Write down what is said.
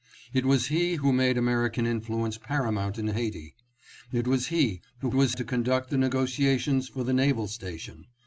It was he who made American influence paramount in Haiti. It was he who was to conduct the negotiations for the naval station.